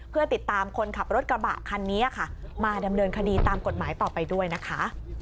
เพื่อติดตามคนขับรถกระบะคันนี้ค่ะมาดำเนินคดีตามกฎหมายต่อไปด้วยนะคะ